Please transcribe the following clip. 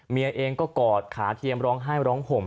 เมียเองก็กอดขาเทียมร้องไห้ร้องห่ม